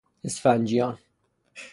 اسفنجیان